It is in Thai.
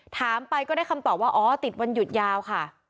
ถามไปก็ได้คำตอบว่าอ๋อติดวันหยุดยาวค่ะ